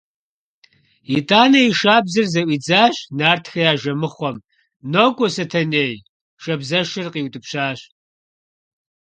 Итӏанэ и шабзэр зэӏуидзащ нартхэ я жэмыхъуэм: – Нокӏуэ, Сэтэней! – шабзэшэр къиутӏыпщащ.